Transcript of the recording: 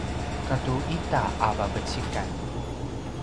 katu ita a vavecikan